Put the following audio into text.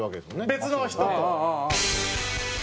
別の人と。